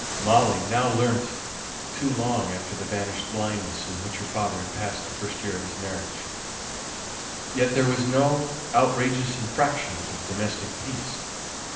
Molly now learnt to long after the vanished blindness in which her father had passed the first year of his marriage; yet there were no outrageous infractions of domestic peace.